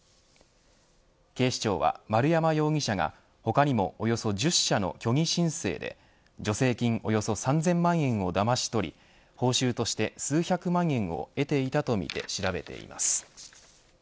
警視庁は丸山容疑者が他にもおよそ１０社の虚偽申請で助成金およそ３０００万円をだまし取り報酬として数百万円を得ていたとみて調べています。